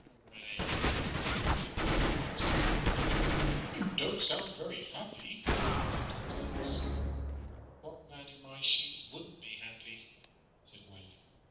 "Hooray," said Wehling emptily. "You don't sound very happy," said Dr. Hitz. "What man in my shoes wouldn't be happy?" said Wehling.